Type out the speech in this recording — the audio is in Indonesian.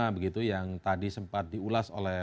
begitu yang tadi sempat diulas oleh